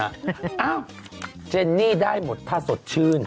อ้าวเจนนี่ได้หมดถ้าสดชื่น